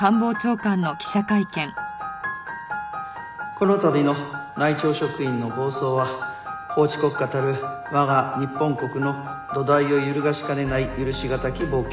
この度の内調職員の暴走は法治国家たる我が日本国の土台を揺るがしかねない許しがたき暴挙。